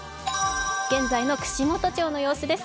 現在の串本町の様子です。